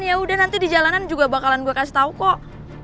ya udah nanti di jalanan juga bakalan gue kasih tau kok